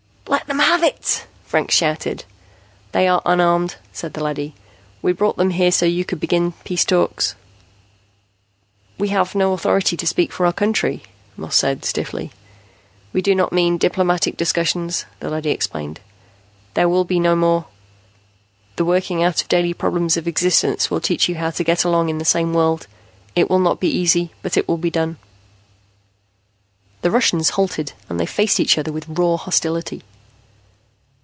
"Let them have it!" Franks shouted. "They are unarmed," said the leady. "We brought them here so you could begin peace talks." "We have no authority to speak for our country," Moss said stiffly. "We do not mean diplomatic discussions," the leady explained. "There will be no more. The working out of daily problems of existence will teach you how to get along in the same world. It will not be easy, but it will be done." The Russians halted and they faced each other with raw hostility.